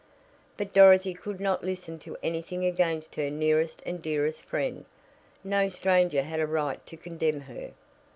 But Dorothy could not listen to anything against her nearest and dearest friend. No stranger had a right to condemn her.